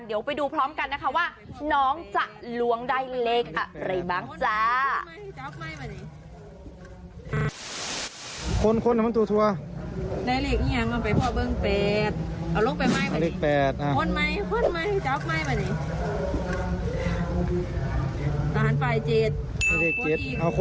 เดี๋ยวไปดูพร้อมกันนะคะว่าน้องจะล้วงได้เลขอะไรบ้างจ้า